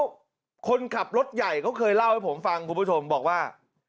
เป็นคนแสงเขาเคยเล่าอัลมาฟังบอกว่า